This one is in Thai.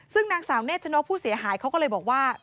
ซึ่งนางสาวเนชนกผู้เสียหายเขาก็เลยบอกว่า